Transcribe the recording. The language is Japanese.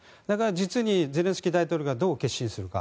実にゼレンスキー大統領がどう決心するか。